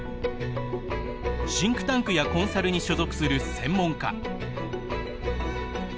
シンクタンクやコンサルに所属する専門家。